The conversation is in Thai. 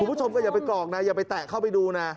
คุณผู้ชมก็อย่าไปกรอกนะอย่าไปแตะเข้าไปดูนะ